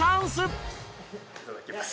いただきます。